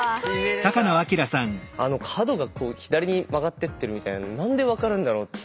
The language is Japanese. あの角がこう左に曲がってってるみたいなの何で分かるんだろうと。